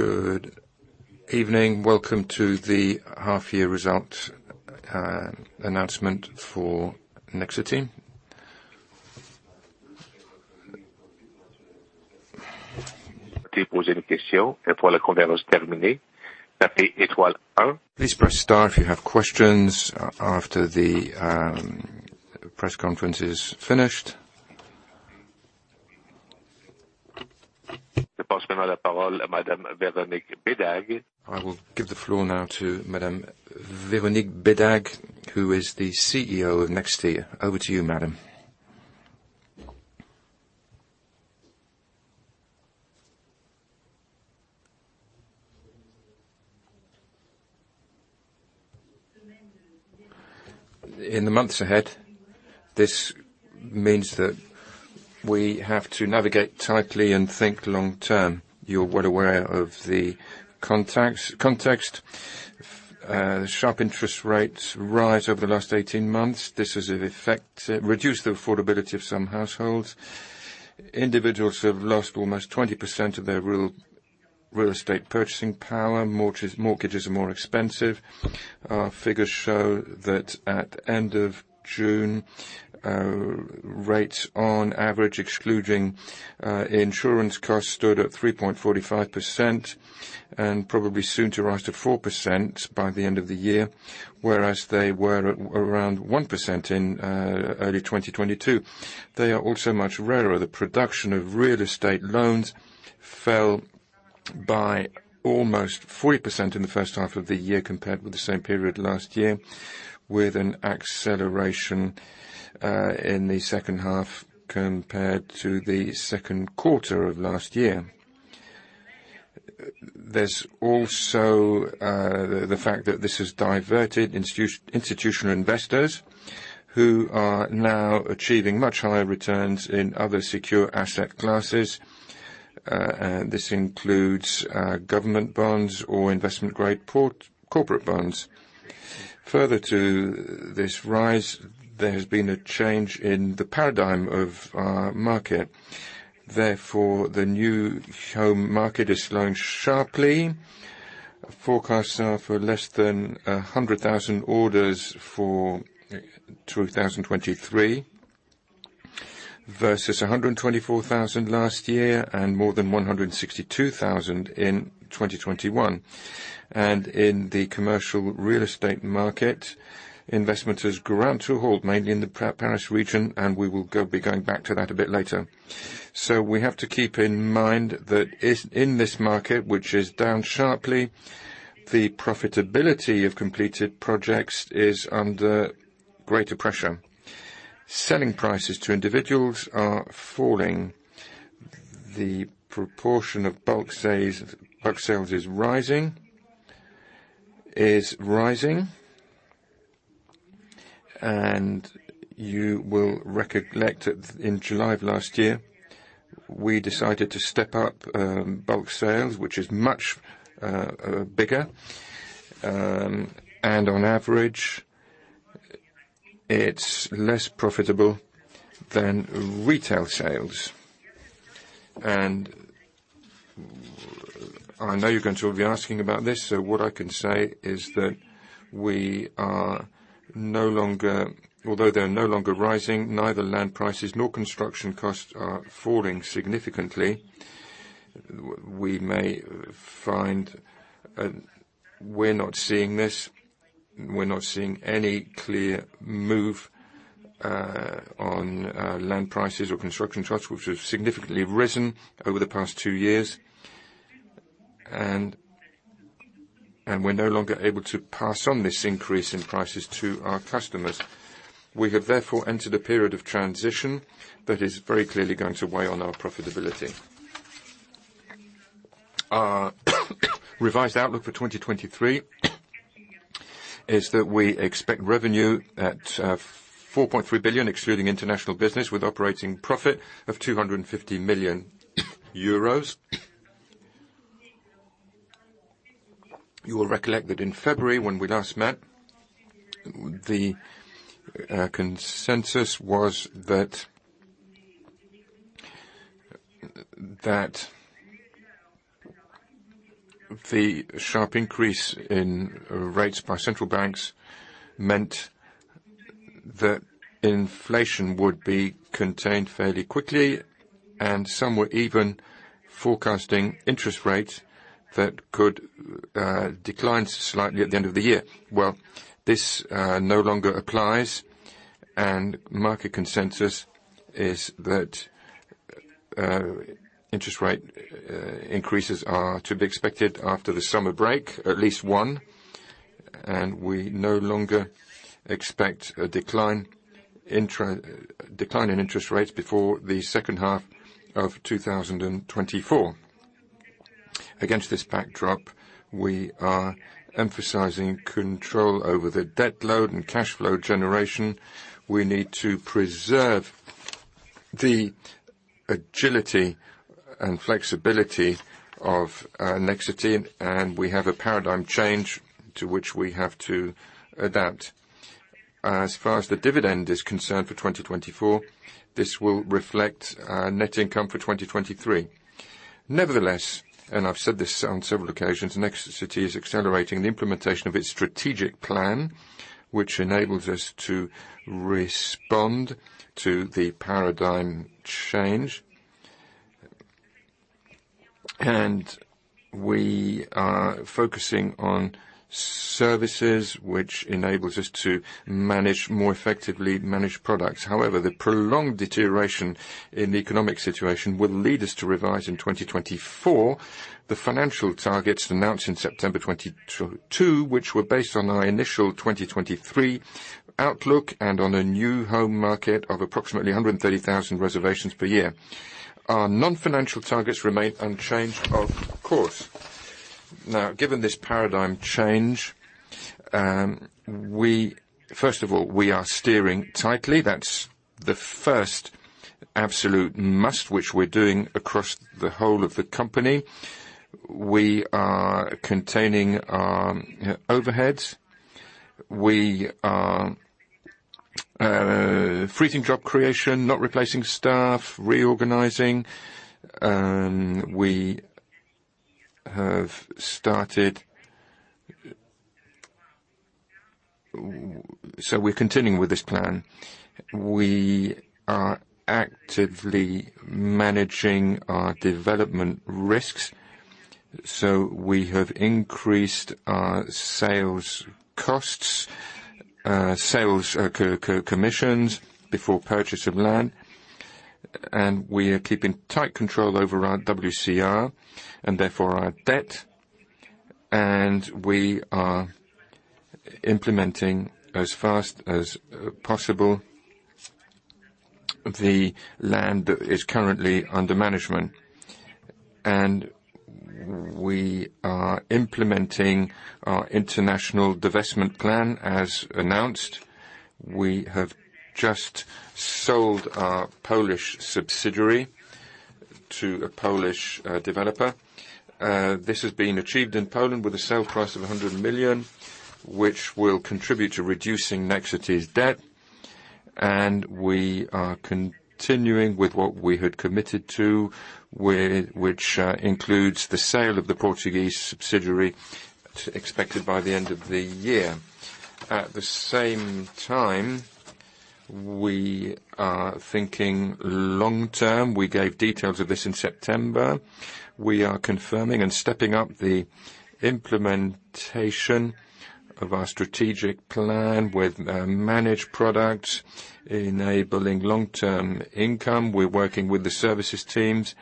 Good evening. Welcome to the half year result announcement for Nexity. Please press star if you have questions after the press conference is finished. I will give the floor now to Madame Véronique Bédague, who is the CEO of Nexity. Over to you, madam. In the months ahead, this means that we have to navigate tightly and think long term. You're well aware of the context. Sharp interest rates rise over the last 18 months. This has, in effect, reduced the affordability of some households. Individuals have lost almost 20% of their real estate purchasing power. Mortgages are more expensive. Our figures show that at end of June, rates on average, excluding insurance costs, stood at 3.45% and probably soon to rise to 4% by the end of the year, whereas they were at around 1% in early 2022. They are also much rarer. The production of real estate loans fell by almost 40% in the first half of the year, compared with the same period last year, with an acceleration in the second half compared to the Q2 of last year. There's also the fact that this has diverted institutional investors, who are now achieving much higher returns in other secure asset classes. This includes government bonds or investment-grade corporate bonds. Further to this rise, there has been a change in the paradigm of our market. Therefore, the new home market is slowing sharply. Forecasts are for less than 100,000 orders for 2023, versus 124,000 last year, and more than 162,000 in 2021. In the commercial real estate market, investments has ground to a halt, mainly in the Paris region, and we will be going back to that a bit later. We have to keep in mind, in this market, which is down sharply, the profitability of completed projects is under greater pressure. Selling prices to individuals are falling. The proportion of bulk sales is rising. You will recollect that in July of last year, we decided to step up bulk sales, which is much bigger, and on average, it's less profitable than retail sales. I know you're going to be asking about this, so what I can say is that we are no longer. Although they're no longer rising, neither land prices nor construction costs are falling significantly. We may find, we're not seeing this. We're not seeing any clear move on land prices or construction costs, which have significantly risen over the past two years. We're no longer able to pass on this increase in prices to our customers. We have therefore entered a period of transition that is very clearly going to weigh on our profitability. Our revised outlook for 2023 is that we expect revenue at 4.3 billion, excluding international business, with operating profit of 250 million euros. You will recollect that in February, when we last met, the consensus was that the sharp increase in rates by central banks meant that inflation would be contained fairly quickly, and some were even forecasting interest rates that could decline slightly at the end of the year. Well, this no longer applies, market consensus is that interest rate increases are to be expected after the summer break, at least one, and we no longer expect a decline in interest rates before the second half of 2024. Against this backdrop, we are emphasizing control over the debt load and cash flow generation. We need to preserve the agility and flexibility of Nexity, we have a paradigm change to which we have to adapt. As far as the dividend is concerned for 2024, this will reflect our net income for 2023. Nevertheless, I've said this on several occasions, Nexity is accelerating the implementation of its strategic plan, which enables us to respond to the paradigm change. We are focusing on services which enables us to manage more effectively, manage products. The prolonged deterioration in the economic situation will lead us to revise in 2024, the financial targets announced in September 2022, which were based on our initial 2023 outlook and on a new home market of approximately 130,000 reservations per year. Our non-financial targets remain unchanged, of course. Given this paradigm change, first of all, we are steering tightly. That's the first absolute must, which we're doing across the whole of the company. We are containing our overheads. We are freezing job creation, not replacing staff, reorganizing. We have started... We're continuing with this plan. We are actively managing our development risks, so we have increased our sales costs, sales commissions before purchase of land, and we are keeping tight control over our WCR and therefore our debt, and we are implementing as fast as possible, the land that is currently under management. We are implementing our international divestment plan, as announced. We have just sold our Nexity Poland to a Polish developer. This has been achieved in Poland with a sale price of 100 million, which will contribute to reducing Nexity's debt, and we are continuing with what we had committed to, which includes the sale of the Nexity Portugal, expected by the end of the year. At the same time, we are thinking long term. We gave details of this in September. We are confirming and stepping up the implementation of our strategic plan with managed products, enabling long-term income. We're working with the services teams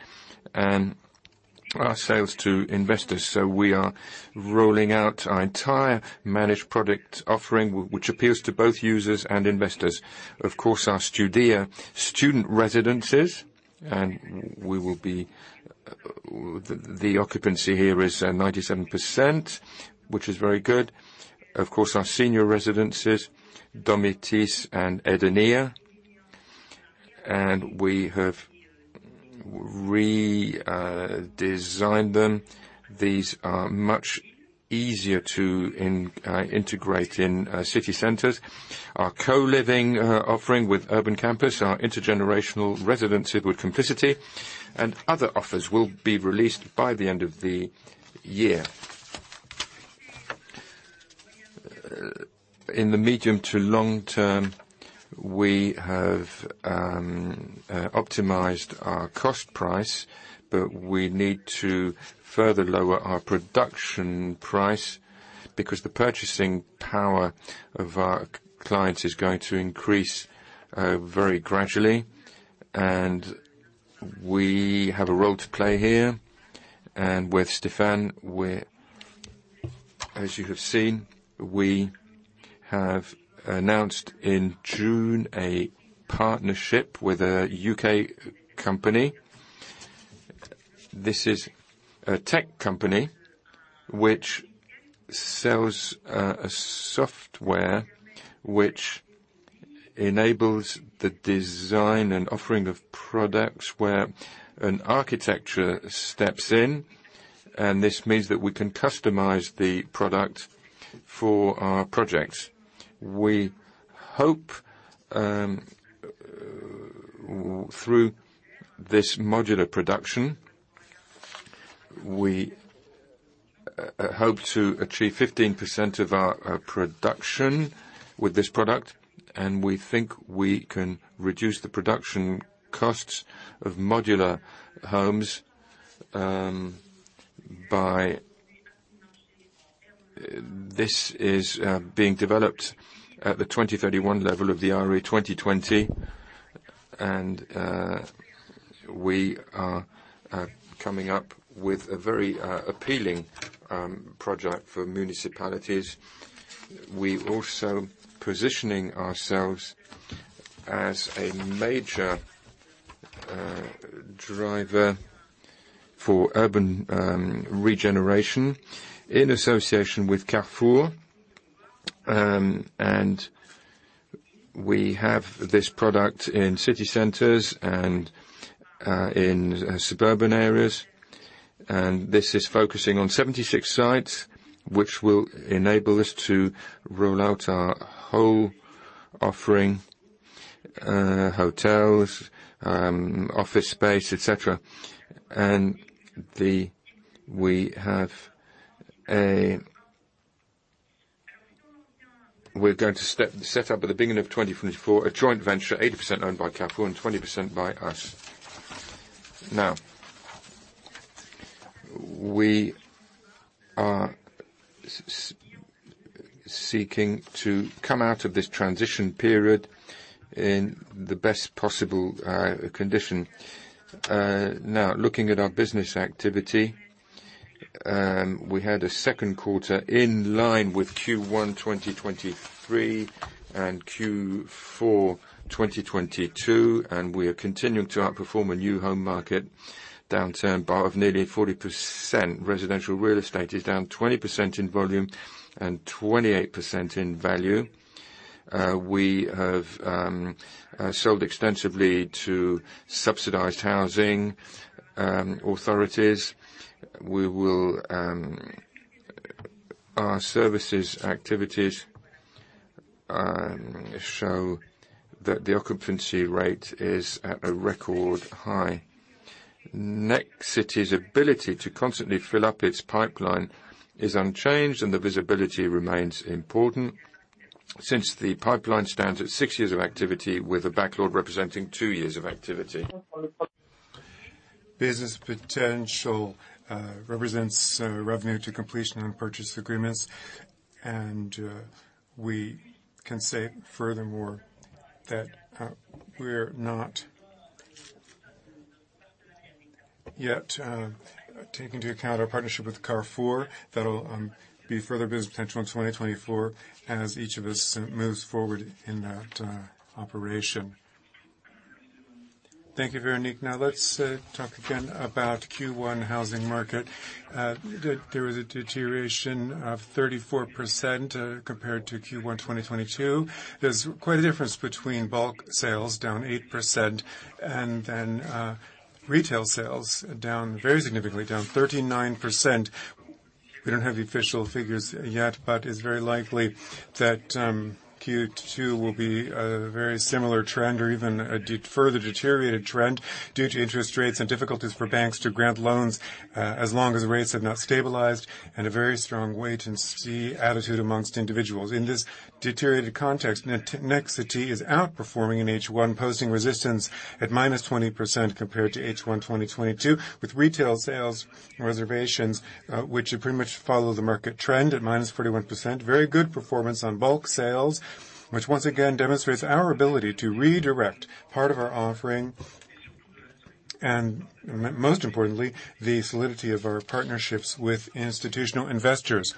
and our sales to investors, so we are rolling out our entire managed product offering, which appeals to both users and investors. Of course, our Studéa student residences, and we will be. The occupancy here is 97%, which is very good. Of course, our senior residences, Domitys and Edenéa, and we have re designed them. These are much easier to integrate in city centers. Our co-living offering with Urban Campus, our intergenerational residency with Complicity, and other offers will be released by the end of the year. In the medium to long term, we have optimized our cost price, we need to further lower our production price because the purchasing power of our clients is going to increase very gradually, and we have a role to play here. With Stéphane, as you have seen, we have announced in June, a partnership with a U.K. company. This is a tech company, which sells a software which enables the design and offering of products, where an architecture steps in, and this means that we can customize the product for our projects. We hope through this modular construction, we hope to achieve 15% of our production with this product, and we think we can reduce the production costs of modular homes by... This is being developed at the 2031 level of the RE2020, we are coming up with a very appealing project for municipalities. We're also positioning ourselves as a major driver for urban regeneration in association with Carrefour, we have this product in city centers and in suburban areas. This is focusing on 76 sites, which will enable us to roll out our whole offering, hotels, office space, et cetera. We're going to set up at the beginning of 2024, a joint venture, 80% owned by Carrefour and 20% by us. Now, we are seeking to come out of this transition period in the best possible condition. Now, looking at our business activity, we had a Q2 in line with Q1 2023 and Q4 2022, we are continuing to outperform a new home market downturn bar of nearly 40%. Residential real estate is down 20% in volume and 28% in value. We have sold extensively to subsidized housing authorities. We will. Our services activities show that the occupancy rate is at a record high. Nexity's ability to constantly fill up its pipeline is unchanged, the visibility remains important since the pipeline stands at 6 years of activity, with a backlog representing 2 years of activity. Business potential represents revenue to completion and purchase agreements, and we can say furthermore, that we're not yet taking into account our partnership with Carrefour. That'll be further business potential in 2024, as each of us moves forward in that operation. Thank you, Véronique. Now, let's talk again about Q1 housing market. There was a deterioration of 34%, compared to Q1 2022. There's quite a difference between bulk sales down 8% and then, retail sales down very significantly, down 39%. We don't have the official figures yet, but it's very likely that Q2 will be a very similar trend or even a further deteriorated trend due to interest rates and difficulties for banks to grant loans, as long as the rates have not stabilized and a very strong wait-and-see attitude amongst individuals. In this deteriorated context, Nexity is outperforming in H1, posing resistance at -20% compared to H1 2022, with retail sales reservations, which pretty much follow the market trend at -41%. Very good performance on bulk sales, which once again demonstrates our ability to redirect part of our offering, and most importantly, the solidity of our partnerships with institutional investors.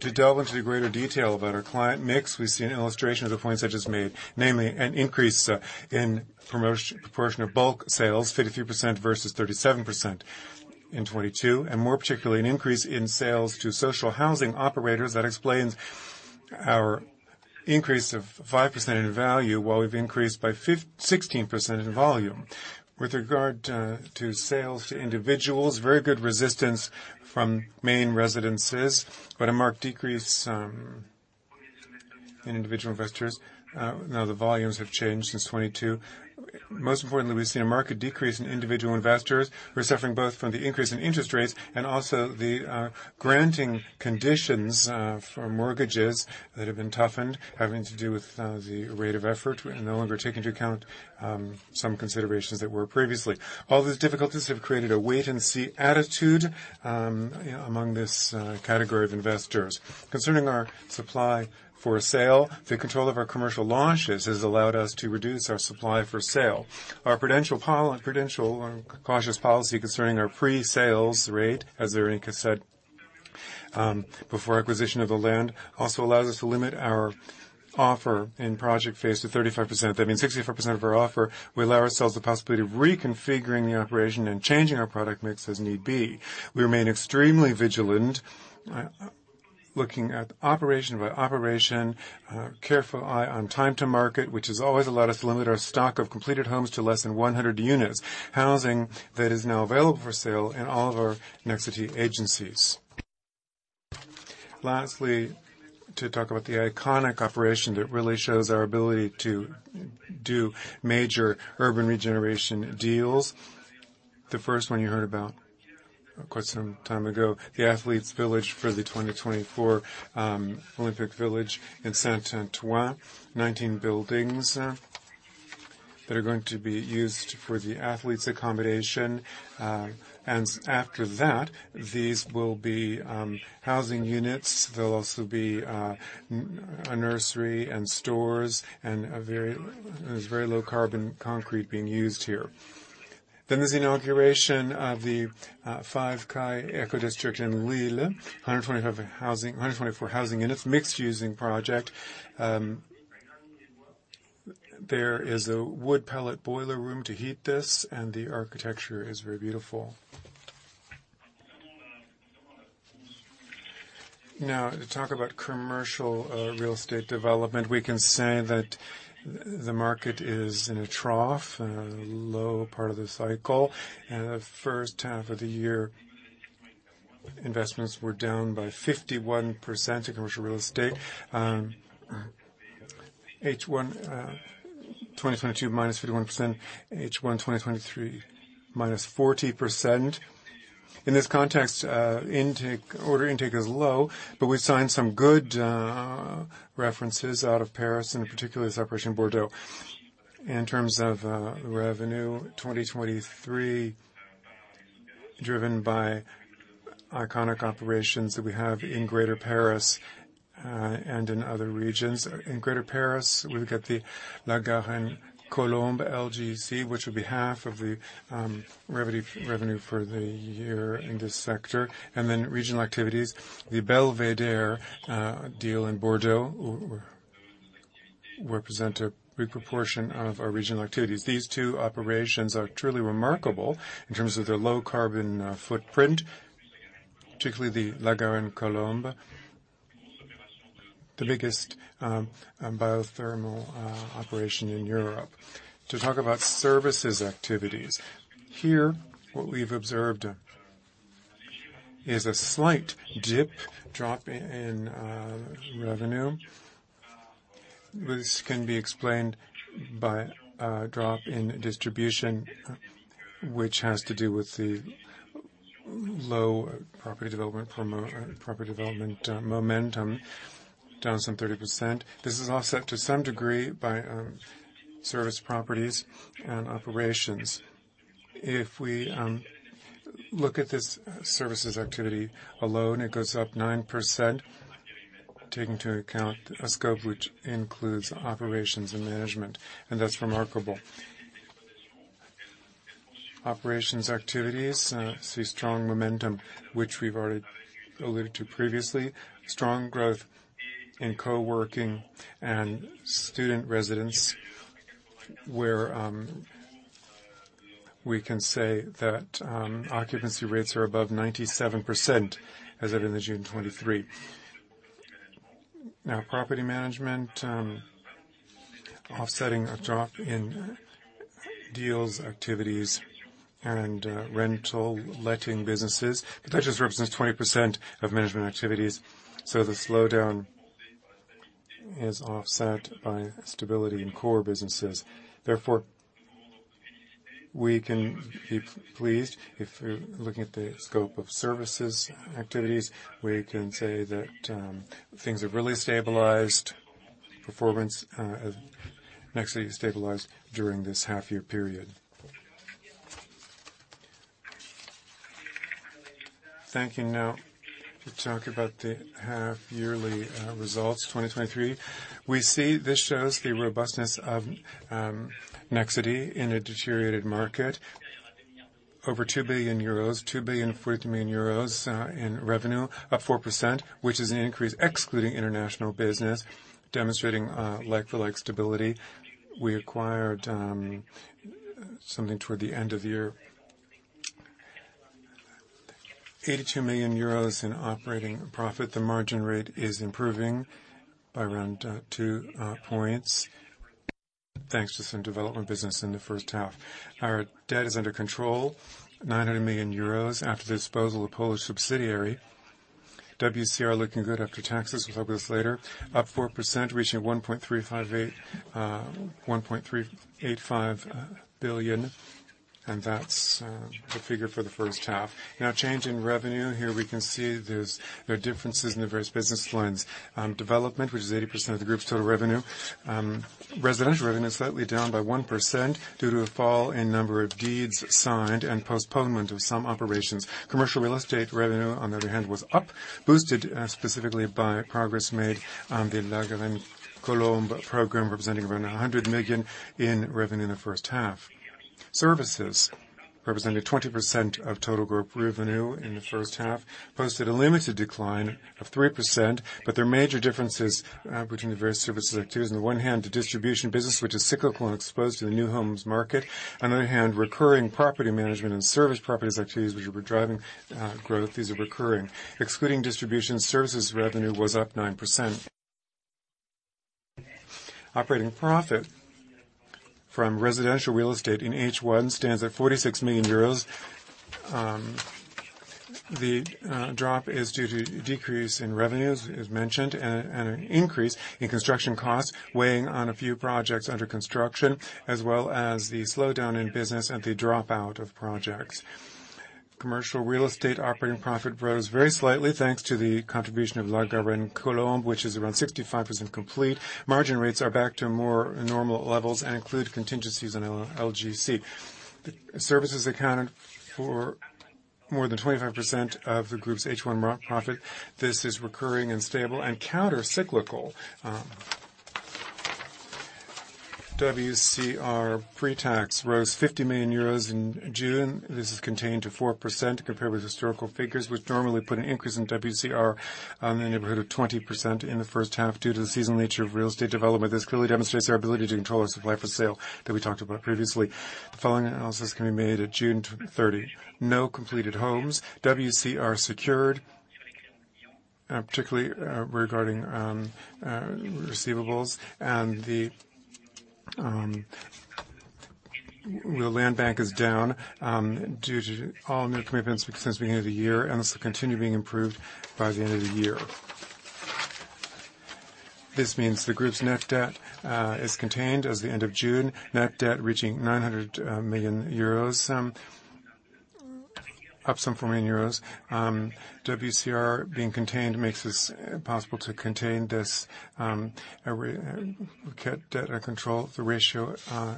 To delve into the greater detail about our client mix, we see an illustration of the points I just made, namely, an increase in promotion, proportion of bulk sales, 53% versus 37% in 2022, and more particularly, an increase in sales to social housing operators. That explains our increase of 5% in value, while we've increased by 16% in volume. With regard to sales to individuals, very good resistance from main residences, but a marked decrease in individual investors. Now, the volumes have changed since 2022. Most importantly, we've seen a market decrease in individual investors. We're suffering both from the increase in interest rates and also the granting conditions for mortgages that have been toughened, having to do with the rate of effort, and no longer take into account some considerations that were previously. All these difficulties have created a wait-and-see attitude among this category of investors. Concerning our supply for sale, the control of our commercial launches has allowed us to reduce our supply for sale. Our prudential and cautious policy concerning our pre-sales rate, as Véronique has said, before acquisition of the land, also allows us to limit our offer in project phase to 35%. That means 65% of our offer, we allow ourselves the possibility of reconfiguring the operation and changing our product mix as need be. We remain extremely vigilant, looking at operation by operation, a careful eye on time to market, which has always allowed us to limit our stock of completed homes to less than 100 units. Housing that is now available for sale in all of our Nexity agencies. Lastly, to talk about the iconic operation that really shows our ability to do major urban regeneration deals. The first one you heard about, of course, some time ago, the Athletes' Village for the 2024 Olympic Village in Saint-Ouen. 19 buildings that are going to be used for the athletes' accommodation. After that, these will be housing units. They'll also be a nursery and stores and a very, there's very low-carbon concrete being used here. This inauguration of the Fives Cail Eco-District in Lille, 124 housing units, mixed using project. There is a wood pellet boiler room to heat this, and the architecture is very beautiful. Now, to talk about commercial real estate development, we can say that the market is in a trough, in a low part of the cycle. In the first half of the year, investments were down by 51% in commercial real estate. H1, 2022, minus 51%. H1, 2023, minus 40%. In this context, intake, order intake is low, but we've signed some good references out of Paris, and in particular, this operation in Bordeaux. In terms of revenue, 2023, driven by iconic operations that we have in Greater Paris, and in other regions. In Greater Paris, we've got the La Garenne-Colombes, LGC, which will be half of the revenue for the year in this sector. Regional activities, the Belvédère deal in Bordeaux, represent a big proportion of our regional activities. These two operations are truly remarkable in terms of their low carbon footprint, particularly the La Garenne-Colombes, the biggest geothermal operation in Europe. To talk about services activities, here, what we've observed is a slight dip, drop in revenue. This can be explained by a drop in distribution, which has to do with the low property development momentum, down some 30%. This is offset to some degree by service properties and operations. If we look at this services activity alone, it goes up 9%, taking into account a scope which includes operations and management, and that's remarkable. Operations activities see strong momentum, which we've already alluded to previously. Strong growth in co-working and student residents, where we can say that occupancy rates are above 97% as of end of June 2023. Property management, offsetting a drop in deals, activities, and rental letting businesses, but that just represents 20% of management activities, so the slowdown is offset by stability in core businesses. Therefore, we can be pleased if we're looking at the scope of services activities, we can say that things have really stabilized. Performance actually stabilized during this half year period. Thank you. To talk about the half yearly results, 2023. We see this shows the robustness of Nexity in a deteriorated market. Over 2 billion euros, 2.04 billion in revenue, up 4%, which is an increase excluding international business, demonstrating like-for-like stability. We acquired something toward the end of the year. 82 million euros in operating profit. The margin rate is improving by around 2 points, thanks to some development business in the first half. Our debt is under control, 900 million euros after the disposal of Polish subsidiary. WCR looking good after taxes. We'll talk about this later. Up 4%, reaching 1.385 billion, and that's the figure for the first half. Change in revenue. Here we can see there are differences in the various business lines. Development, which is 80% of the group's total revenue. Residential revenue is slightly down by 1% due to a fall in number of deeds signed and postponement of some operations. Commercial real estate revenue, on the other hand, was up, boosted, specifically by progress made on the La Garenne-Colombes program, representing around 100 million in revenue in the first half. Services, representing 20% of total group revenue in the first half, posted a limited decline of 3%, but there are major differences between the various services activities. On the one hand, the distribution business, which is cyclical and exposed to the new homes market. On the other hand, recurring property management and service properties activities, which were driving growth. These are recurring. Excluding distribution, services revenue was up 9%. Operating profit from residential real estate in H1 stands at EUR 46 million. The drop is due to decrease in revenues, as mentioned, and an increase in construction costs, weighing on a few projects under construction, as well as the slowdown in business and the dropout of projects. Commercial real estate operating profit rose very slightly, thanks to the contribution of La Garenne-Colombes, which is around 65% complete. Margin rates are back to more normal levels and include contingencies on LGC. Services accounted for more than 25% of the group's H1 pro-profit. This is recurring, and stable, and countercyclical. WCR pre-tax rose 50 million euros in June. This is contained to 4% compared with historical figures, which normally put an increase in WCR in the neighborhood of 20% in the first half due to the seasonal nature of real estate development. This clearly demonstrates our ability to control our supply for sale that we talked about previously. The following analysis can be made at June 30. No completed homes. WCR secured. Particularly, regarding receivables and the land bank is down due to all new commitments since the beginning of the year, and this will continue being improved by the end of the year. This means the group's net debt is contained as the end of June. Net debt reaching 900 million euros, up some 4 million euros. WCR being contained makes this possible to contain this, keep debt under control. The ratio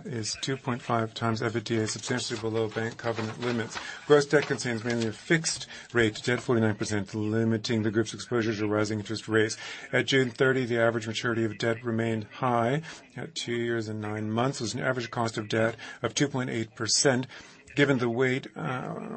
is 2.5x EBITDA, substantially below bank covenant limits. Gross debt contains mainly a fixed rate, debt 49%, limiting the group's exposure to rising interest rates. At June 30, the average maturity of debt remained high at 2 years and 9 months, with an average cost of debt of 2.8%, given the weight,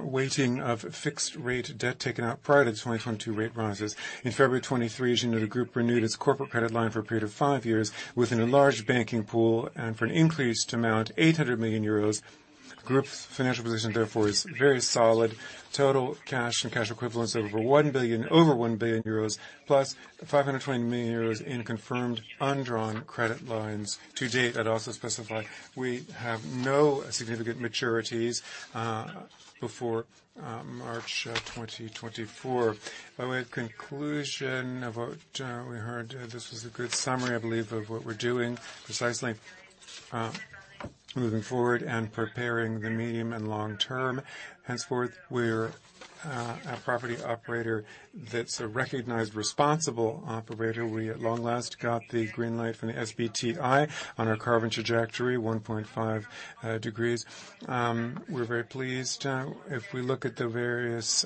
weighting of fixed rate debt taken out prior to the 2022 rate rises. In February 2023, the group renewed its corporate credit line for a period of 5 years with an enlarged banking pool and for an increase to amount 800 million euros. Group's financial position, therefore, is very solid. Total cash and cash equivalents over 1 billion, plus 520 million euros in confirmed undrawn credit lines. To date, I'd also specify we have no significant maturities before March 2024. By way of conclusion of what we heard, this was a good summary, I believe, of what we're doing, precisely, moving forward and preparing the medium and long term. Henceforth, we're a property operator that's a recognized, responsible operator. We at long last, got the green light from the SBTi on our carbon trajectory, 1.5 degrees. We're very pleased. If we look at the various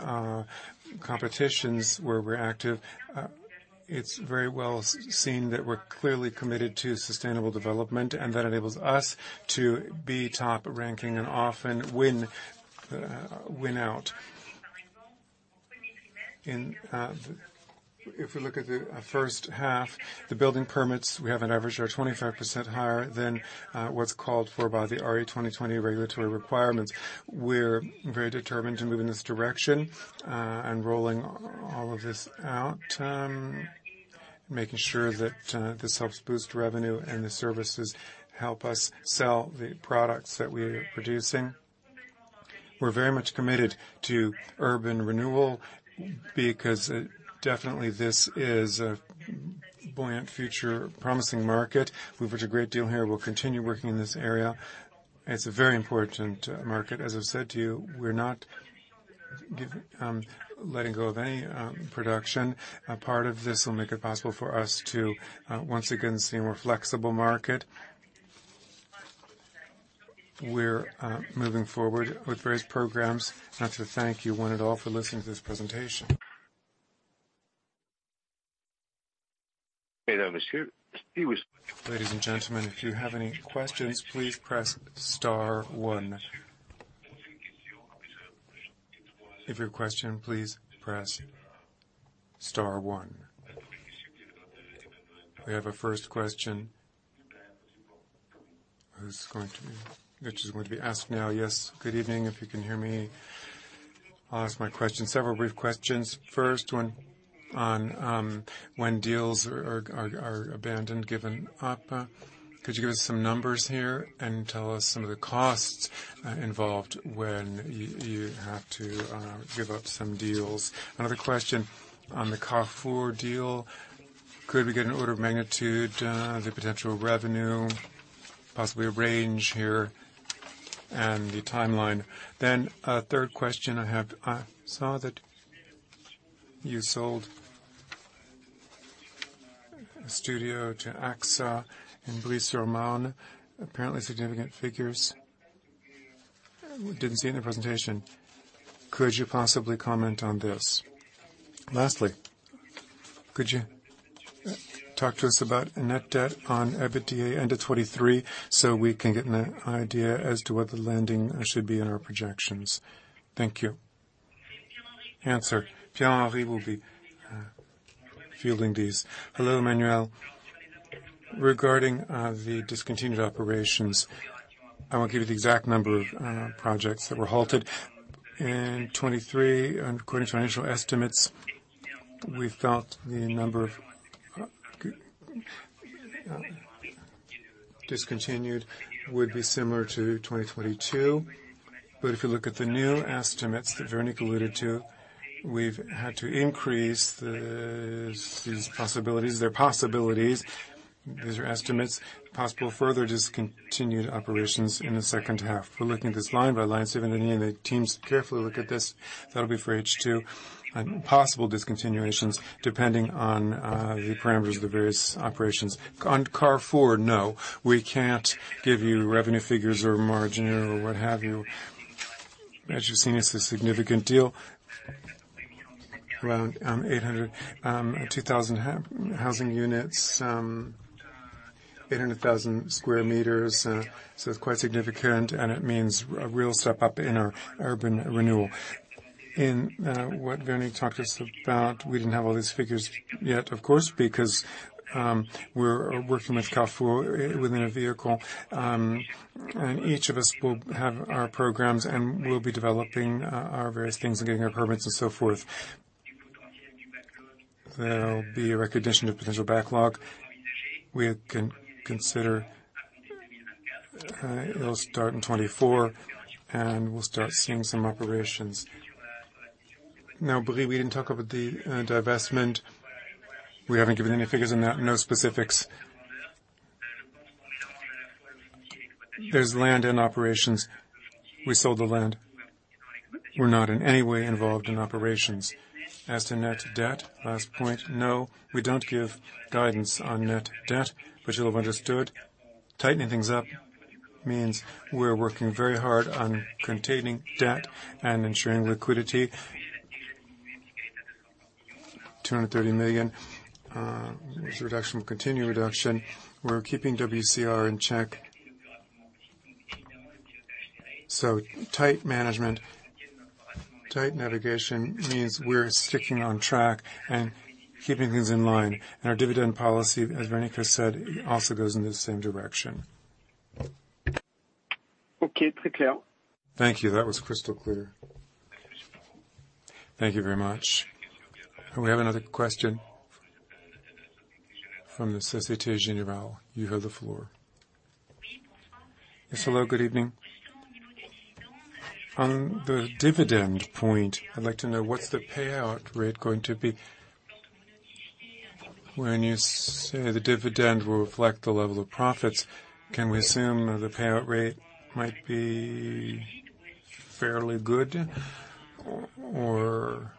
competitions where we're active, it's very well seen that we're clearly committed to sustainable development, that enables us to be top ranking and often win out. In if we look at the first half, the building permits, we have an average are 25% higher than what's called for by the RE2020 regulatory requirements. We're very determined to move in this direction, rolling all of this out, making sure that this helps boost revenue and the services help us sell the products that we are producing. We're very much committed to urban renewal, because definitely this is a buoyant future, promising market. We've reached a great deal here. We'll continue working in this area. It's a very important market. As I've said to you, we're not giving letting go of any production. A part of this will make it possible for us to once again, see a more flexible market. We're moving forward with various programs. Thank you one and all for listening to this presentation. Ladies and gentlemen, if you have any questions, please press star one. If you have a question, please press star one. We have a first question. Which is going to be asked now? Yes, good evening. If you can hear me, I'll ask my question, several brief questions. First, one on, when deals are abandoned, given up, could you give us some numbers here and tell us some of the costs involved when you have to give up some deals? Another question on the Carrefour deal. Could we get an order of magnitude, the potential revenue, possibly a range here and the timeline? A third question I have, I saw that you sold studio to AXA in Blaise-Romain, apparently significant figures. We didn't see it in the presentation. Could you possibly comment on this? Lastly, could you talk to us about a net debt on EBITDA end of 2023, we can get an idea as to what the landing should be in our projections. Thank you. Pierre Henri will be fielding these. Hello, Emmanuel. Regarding the discontinued operations, I won't give you the exact number of projects that were halted in 2023. According to financial estimates, we felt the number discontinued would be similar to 2022. If you look at the new estimates that Véronique alluded to, we've had to increase these possibilities. They're possibilities. These are estimates, possible further discontinued operations in the second half. We're looking at this line by line, if any of the teams carefully look at this, that'll be for H2, and possible discontinuations, depending on the parameters of the various operations. Carrefour, no, we can't give you revenue figures or margin or what have you. As you've seen, it's a significant deal, around 802,000 housing units, 800,000 square meters. It's quite significant, and it means a real step up in our urban renewal. In what Véronique talked to us about, we didn't have all these figures yet, of course, because we're working with Carrefour within a vehicle. Each of us will have our programs, and we'll be developing our various things and getting our permits and so forth. There'll be a recognition of potential backlog. We can consider, it'll start in 2024, and we'll start seeing some operations. Billy, we didn't talk about the divestment. We haven't given any figures on that, no specifics. There's land and operations. We sold the land. We're not in any way involved in operations. To net debt, last point, no, we don't give guidance on net debt. You'll have understood tightening things up means we're working very hard on containing debt and ensuring liquidity. EUR 230 million, there's a reduction, continued reduction. We're keeping WCR in check. Tight management, tight navigation means we're sticking on track and keeping things in line. Our dividend policy, as Véronique said, it also goes in the same direction. Okay, très clear. Thank you. That was crystal clear. Thank you very much. We have another question from the Société Générale. You have the floor. Yes, hello, good evening. On the dividend point, I'd like to know what's the payout rate going to be? When you say the dividend will reflect the level of profits, can we assume that the payout rate might be fairly good, or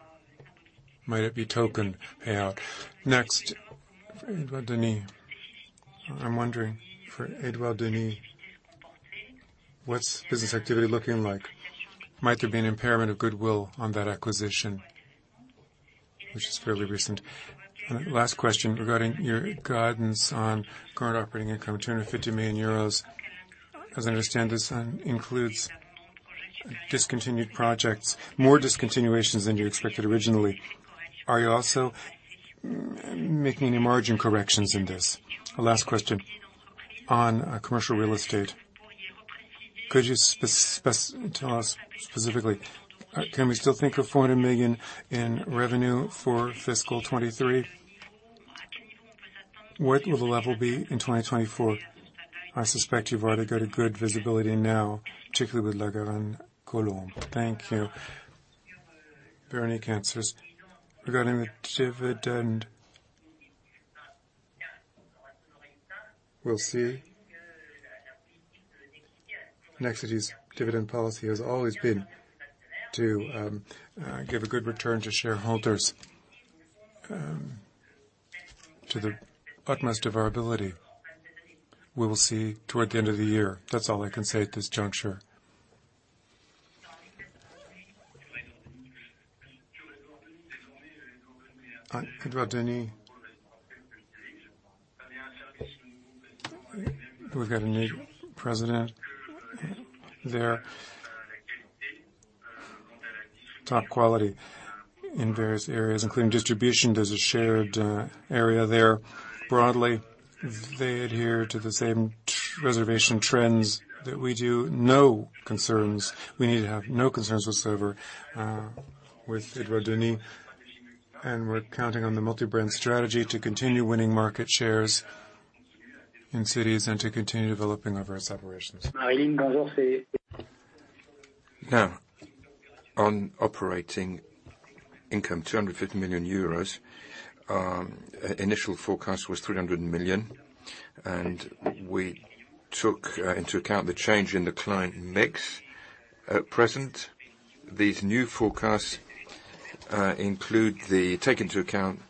might it be token payout? Next, for Edouard Denis. I'm wondering, for Edouard Denis, what's business activity looking like? Might there be an impairment of goodwill on that acquisition, which is fairly recent? Last question, regarding your guidance on current operating income, 250 million euros, as I understand, this includes discontinued projects, more discontinuations than you expected originally. Are you also making any margin corrections in this? Last question, on commercial real estate, could you... Tell us specifically, can we still think of 400 million in revenue for fiscal 2023? What will the level be in 2024? I suspect you've already got a good visibility now, particularly with La Garenne Colombes. Thank you. Very answers. Regarding the dividend, we'll see. Nexity's dividend policy has always been to give a good return to shareholders to the utmost of our ability. We will see toward the end of the year. That's all I can say at this juncture. On Edouard Denis, we've got a new president there. Top quality in various areas, including distribution. There's a shared area there. Broadly, they adhere to the same reservation trends that we do. No concerns. We need to have no concerns whatsoever with Edouard Denis. We're counting on the multi-brand strategy to continue winning market shares in cities and to continue developing our various operations. Maryline, bonjour. Now, on operating income, 250 million euros, initial forecast was 300 million. We took into account the change in the client mix. At present, these new forecasts include the, take into account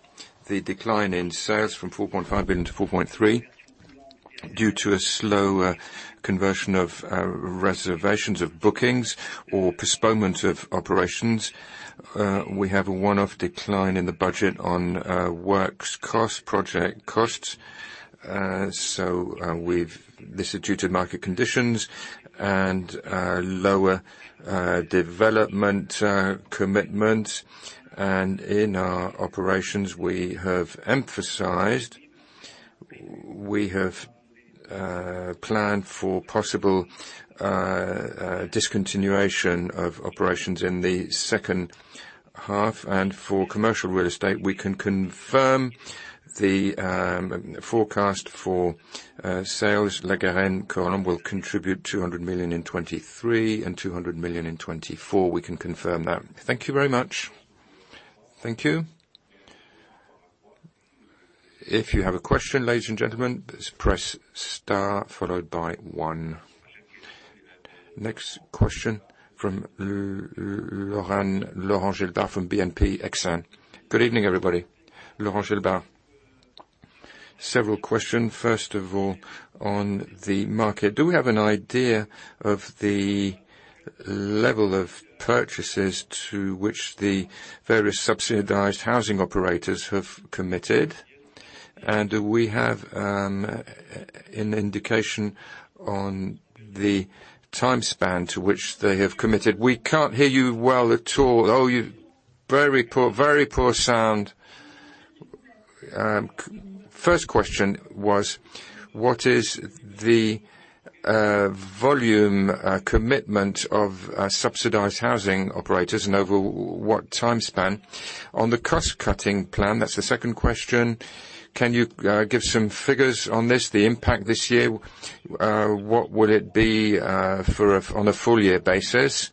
the decline in sales from 4.5 billion to 4.3 billion, due to a slow conversion of reservations of bookings or postponements of operations. We have a one-off decline in the budget on works cost, project costs. This is due to market conditions and lower development commitment. In our operations, we have emphasized, we have planned for possible discontinuation of operations in the second half. For commercial real estate, we can confirm the forecast for sales. La Garenne Colombes will contribute 200 million in 2023 and 200 million in 2024. We can confirm that. Thank you very much. Thank you. If you have a question, ladies and gentlemen, please press Star, followed by 1. Next question from Laurent Guilbert from BNP Exane. Good evening, everybody. Laurent Guilbert. Several questions. First of all, on the market, do we have an idea of the level of purchases to which the various subsidized housing operators have committed? Do we have an indication on the time span to which they have committed? We can't hear you well at all. Very poor sound. First question was, what is the volume commitment of subsidized housing operators and over what time span? On the cost-cutting plan, that's the second question, can you give some figures on this, the impact this year? What will it be on a full year basis?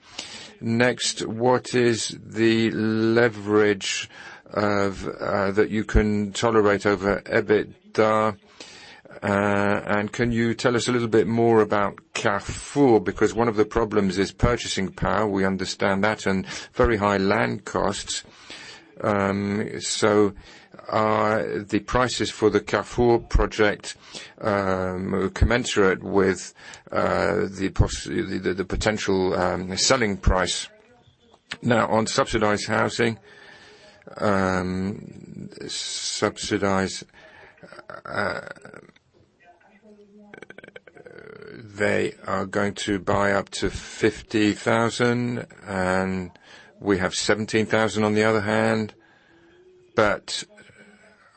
Next, what is the leverage of that you can tolerate over EBITDA? Can you tell us a little bit more about Carrefour? One of the problems is purchasing power. We understand that, and very high land costs. Are the prices for the Carrefour project commensurate with the potential selling price? On subsidized housing, subsidized They are going to buy up to 50,000, and we have 17,000 on the other hand.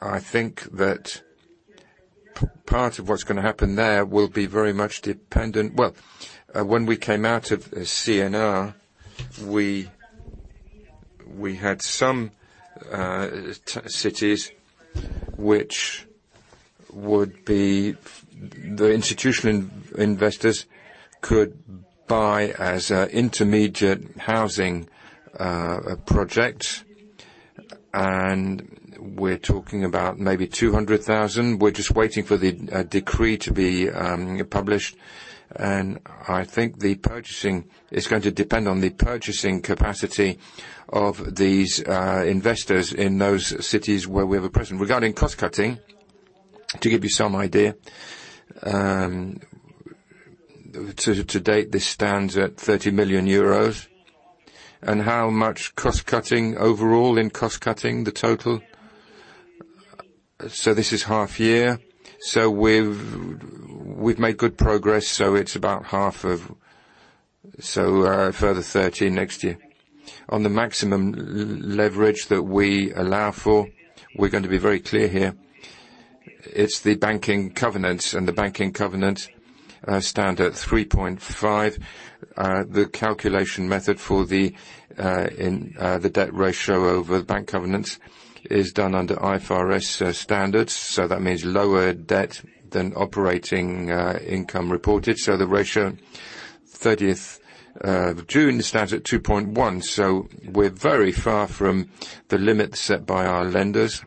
I think that part of what's going to happen there will be very much dependent. When we came out of CNR, we had some cities which would be the institutional investors could buy as an intermediate housing project. We're talking about maybe 200,000. We're just waiting for the decree to be published. I think it's going to depend on the purchasing capacity of these investors in those cities where we have a presence. Regarding cost cutting, to give you some idea, to date, this stands at 30 million euros. How much cost cutting overall, the total? This is half year. We've made good progress, it's about half of... further 13 million next year. On the maximum leverage that we allow for, we're going to be very clear here. It's the banking covenants, stand at 3.5. The calculation method for the debt ratio over bank covenants is done under IFRS standards, that means lower debt than operating income reported. The ratio, 30th of June, stands at 2.1, so we're very far from the limit set by our lenders.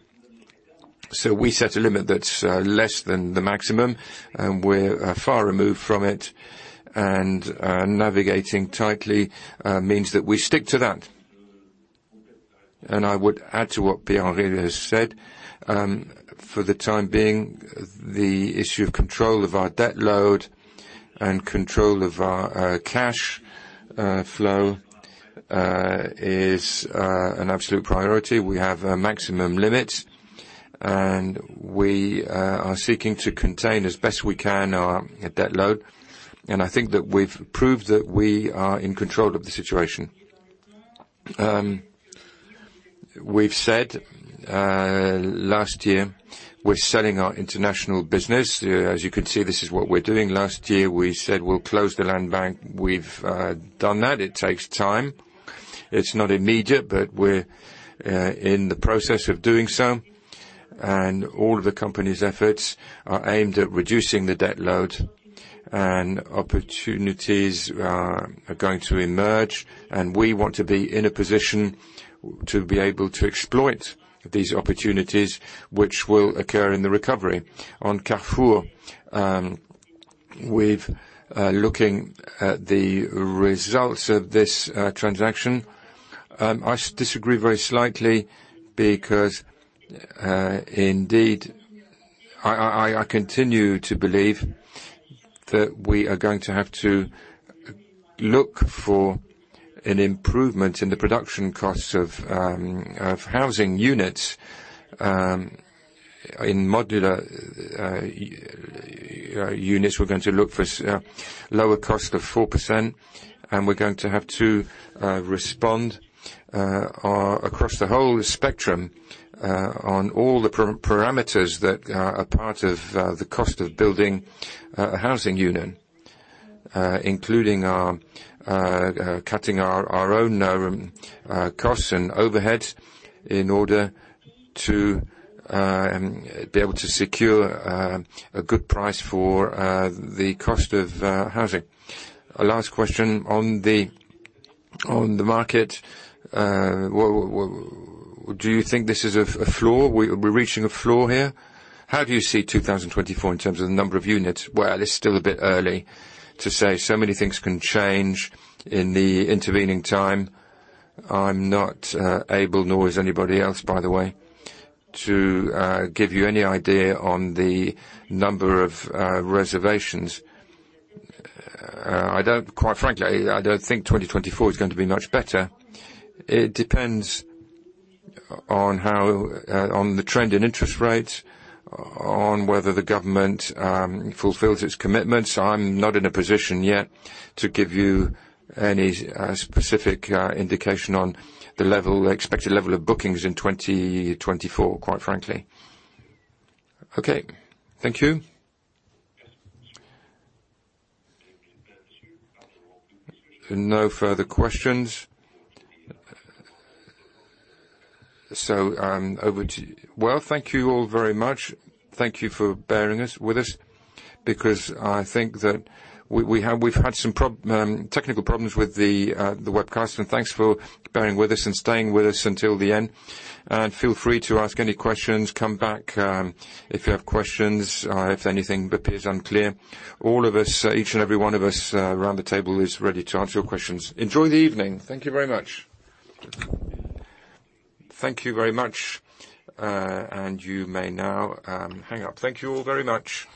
We set a limit that's less than the maximum, and we're far removed from it. Navigating tightly means that we stick to that. I would add to what Pierre-Henri has said, for the time being, the issue of control of our debt load and control of our cash flow is an absolute priority. We have a maximum limit, and we are seeking to contain as best we can our debt load. I think that we've proved that we are in control of the situation. We've said last year, we're selling our international business. As you can see, this is what we're doing. Last year, we said we'll close the land bank. We've done that. It takes time. It's not immediate, but we're in the process of doing so. All of the company's efforts are aimed at reducing the debt load, and opportunities are going to emerge, and we want to be in a position to be able to exploit these opportunities which will occur in the recovery. On Carrefour, we've looking at the results of this transaction, I disagree very slightly because indeed, I continue to believe that we are going to have to look for an improvement in the production costs of housing units in modular units. We're going to look for lower cost of 4%, and we're going to have to respond across the whole spectrum on all the parameters that are part of the cost of building a housing unit. Including our cutting our own costs and overheads in order to be able to secure a good price for the cost of housing. Last question on the market. Do you think this is a floor? We're reaching a floor here? How do you see 2024 in terms of the number of units? Well, it's still a bit early to say. Many things can change in the intervening time. I'm not able, nor is anybody else, by the way, to give you any idea on the number of reservations. Quite frankly, I don't think 2024 is going to be much better. It depends on how on the trend in interest rates, on whether the government fulfills its commitments. I'm not in a position yet to give you any specific indication on the level, expected level of bookings in 2024, quite frankly. Okay. Thank you. No further questions. Over to you. Well, thank you all very much. Thank you for bearing this with us, because I think that we've had some pro technical problems with the webcast, and thanks for bearing with us and staying with us until the end. Feel free to ask any questions. Come back, if you have questions, if anything appears unclear. All of us, each and every one of us, around the table is ready to answer your questions. Enjoy the evening. Thank you very much. Thank you very much. You may now, hang up. Thank you all very much.